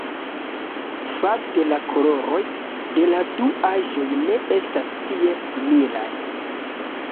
Fakte la koloroj de la du aĵoj ne estas tiel similaj.